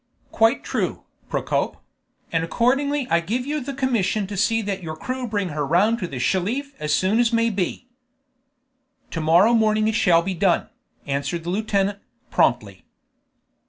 "Quite true, Procope; and accordingly I give you the commission to see that your crew bring her round to the Shelif as soon as may be." "To morrow morning it shall be done," answered the lieutenant, promptly.